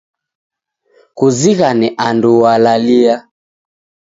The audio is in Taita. Kuzighane andu w'alalia